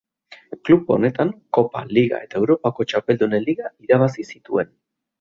Klub honetan kopa, liga eta Europako txapeldunen liga irabazi zituen.